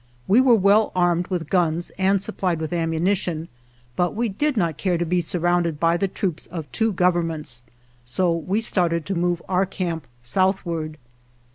We were well armed with guns and supplied with ammunition, but we did not care to be surrounded by the troops of two governments, so we started to move our camp southward.